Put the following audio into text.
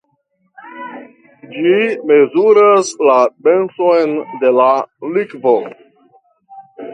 Ĝi mezuras la denson de la likvo.